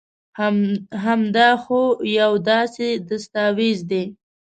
هم دا خو يو داسي دستاويز دي